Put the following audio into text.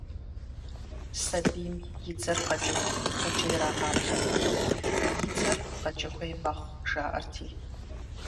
Сабийм и дзэр къэкӀыху гъуджэ ирагъаплъэртэкъым, и дзэр къэкӀыгъуей мэхъу, жаӀэрти.